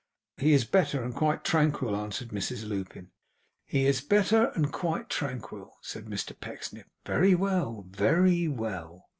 'He is better, and quite tranquil,' answered Mrs Lupin. 'He is better, and quite tranquil,' said Mr Pecksniff. 'Very well! Ve ry well!